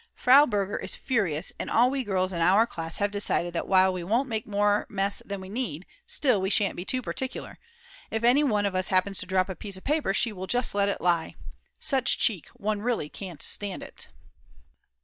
Frau Berger is furious, and all we girls in our class have decided that while we won't make more mess than we need, still, we shan't be too particular. If any one of us happens to drop a piece of paper she will just let it lie. Such cheek, one really can't stand it!